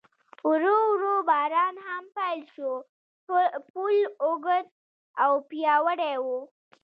ورو ورو باران هم پیل شو، پل اوږد او پیاوړی و.